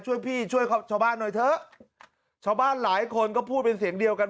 ช่วยพี่ช่วยชาวบ้านหน่อยเถอะชาวบ้านหลายคนก็พูดเป็นเสียงเดียวกัน